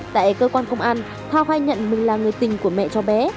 tại cơ quan công an thao khai nhận mình là người tình của mẹ cho bé